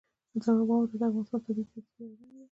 واوره د افغانستان د طبیعي پدیدو یو رنګ دی.